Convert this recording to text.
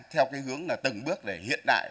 theo cái hướng là từng bước để hiện đại